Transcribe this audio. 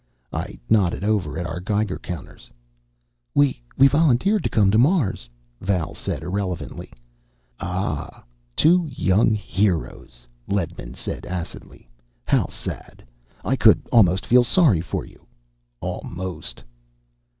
I nodded over at our geiger counters. "We volunteered to come to Mars," Val said irrelevantly. "Ah two young heroes," Ledman said acidly. "How sad. I could almost feel sorry for you. Almost."